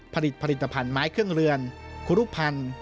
ผลิตผลิตภัณฑ์ไม้เครื่องเรือนครุพันธ์